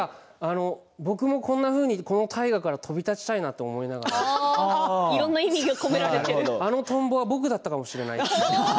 僕もこんなふうに大河から飛び立ちたいなってあのトンボは僕だったかもしれないと。